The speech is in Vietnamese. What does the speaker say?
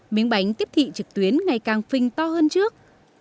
miếng bánh tiếp thị trực tuyến ngày càng phình to hơn trước